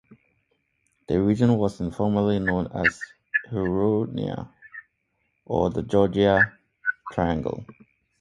The region was informally known as "Huronia" or the Georgian Triangle.